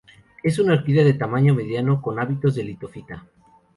Es una orquídea de tamaño mediano, con hábitos de litofita.